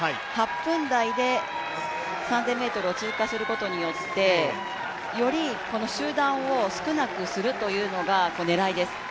８分台で３０００ｍを通過することによってより、集団を少なくするということが狙いです。